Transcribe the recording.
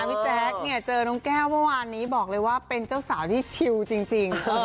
พี่แจ๊คเนี่ยเจอน้องแก้วเมื่อวานนี้บอกเลยว่าเป็นเจ้าสาวที่ชิวจริง